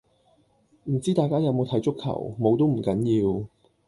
唔知大家有冇睇足球，冇都唔緊要